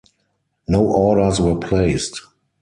No orders were placed.